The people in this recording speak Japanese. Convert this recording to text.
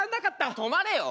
止まれよ。